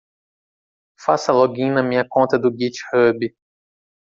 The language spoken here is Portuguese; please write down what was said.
Faça login na minha conta do github.